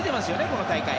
この大会。